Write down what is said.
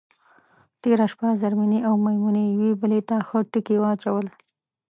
تېره شپه زرمېنې او میمونې یوې بدلې ته ښه ټکي واچول.